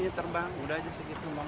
iya terbang udah aja segitu